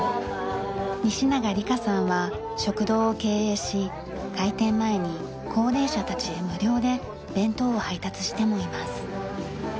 西永理佳さんは食堂を経営し開店前に高齢者たちへ無料で弁当を配達してもいます。